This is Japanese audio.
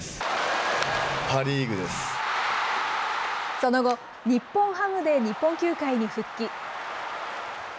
その後、日本ハムで日本球界に復帰。